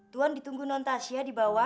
tuan ditunggu non tasia di bawah